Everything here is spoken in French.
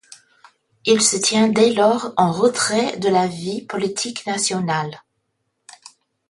Il se tient dès lors en retrait de la vie politique nationale.